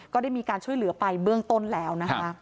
ได้มีการช่วยเหลือไปเบื้องต้นแล้วนะคะ